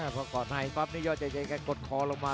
พอเกาะในปั๊บนี่ยอดเจ๋งกัดกดคอลงมา